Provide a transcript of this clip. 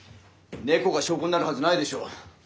猫が証拠になるはずないでしょう。